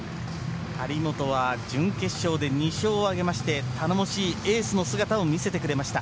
張本は準決勝で２勝挙げまして頼もしいエースの姿を見せてくれました。